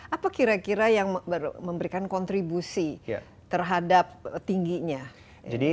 apa kira kira yang memberikan kontribusi terhadap tingginya